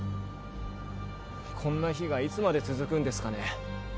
こんな日がいつまで続くんですかね。